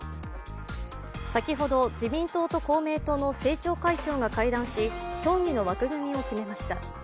先ほど自民党と公明党の政調会長が会談し、協議の枠組みを決めました。